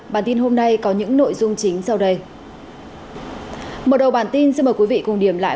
bản tin hôm nay có những nội dung chính sau đây